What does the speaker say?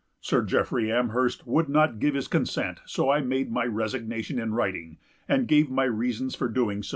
Sir Jeffrey Amherst would not give his consent; so I made my resignation in writing, and gave my reasons for so doing.